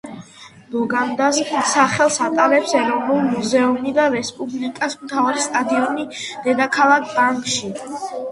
ბოგანდას სახელს ატარებს ეროვნული მუზეუმი და რესპუბლიკის მთავარი სტადიონი დედაქალაქ ბანგში.